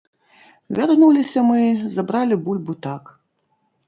Вярнуліся мы, забралі бульбу так.